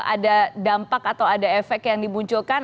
ada dampak atau ada efek yang dimunculkan